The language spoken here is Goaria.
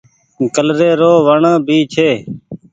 ڪلري رو وڻ ڀي ڇي۔